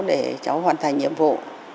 để cháu hoàn thành nhiệm vụ